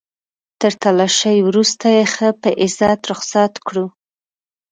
تر تلاشۍ وروسته يې ښه په عزت رخصت کړو.